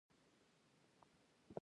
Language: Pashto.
ایا ستاسو لارښوونه سمه ده؟